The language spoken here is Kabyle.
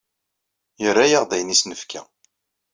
Yerra-aɣ-d ayen i as-nefka.